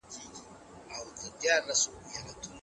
مشران کله د فردي مالکیت حق ورکوي؟